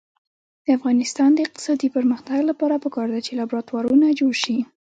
د افغانستان د اقتصادي پرمختګ لپاره پکار ده چې لابراتوارونه جوړ شي.